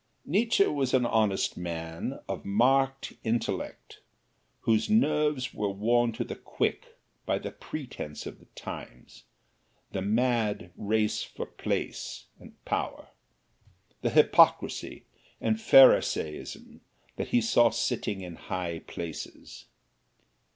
Nietzsche was an honest man of marked intellect, whose nerves were worn to the quick by the pretense of the times the mad race for place and power the hypocrisy and phariseeism that he saw sitting in high places.